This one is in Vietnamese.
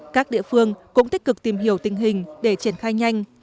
các địa phương cũng tích cực tìm hiểu tình hình để triển khai nhanh